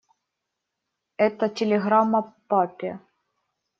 Это телеграмма папе.